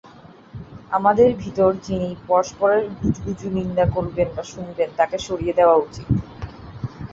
আমাদের ভিতর যিনি পরস্পরের গুজুগুজু নিন্দা করবেন বা শুনবেন, তাকে সরিয়ে দেওয়া উচিত।